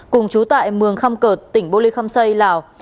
cùng chú tại mường khăm cợt tỉnh bô lê khâm xây lào